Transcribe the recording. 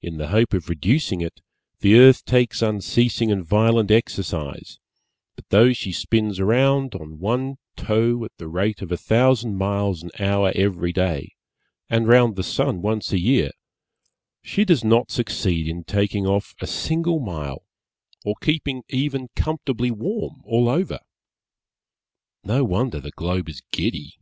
In the hope of reducing it, the earth takes unceasing and violent exercise, but though she spins round on one toe at the rate of a thousand miles an hour every day, and round the sun once a year, she does not succeed in taking off a single mile or keeping even comfortably warm all over. No wonder the globe is giddy!